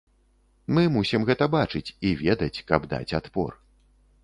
Мы мусім гэта бачыць і ведаць, каб даць адпор.